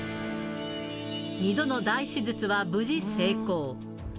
２度の大手術は無事成功。